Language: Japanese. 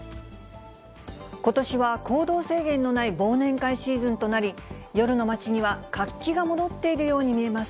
ことしは行動制限のない忘年会シーズンとなり、夜の街には活気が戻っているように見えます。